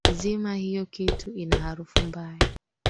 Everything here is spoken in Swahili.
Zima hiyo kitu ina harufu mbaya